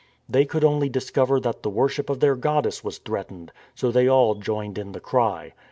They could only discover that the worship of their goddess was threatened, so they all joined in the cry.